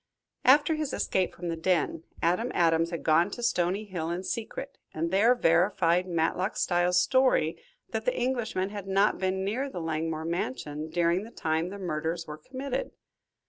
After his escape from the den, Adam Adams had gone to Stony Hill in secret, and there verified Matlock Styles' story that the Englishman had not been near the Langmore mansion during the time the murders were committed.